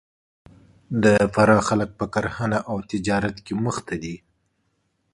د فراه خلک په کرهنه او تجارت کې مخ ته دي